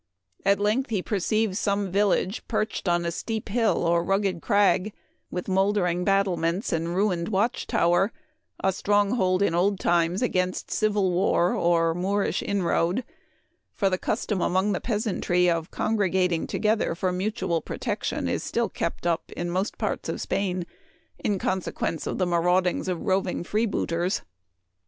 At length he perceives some village perched on a steep hill or rugged crag, with moldering battlements and ruined watch tower, a stronghold in old times against civil war or Moorish inroad ; for the custom among the peasantry of congregat ing together for mutual protection is still kept Memoir of Washington Irving. 207 up in most parts of Spain in consequence of the maraudings of roving freebooters.